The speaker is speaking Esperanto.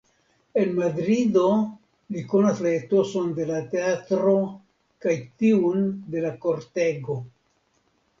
En Madrido li konas la etoson de la teatro kaj tiun de la kortego.